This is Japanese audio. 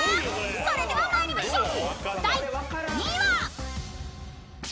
［それでは参りましょう］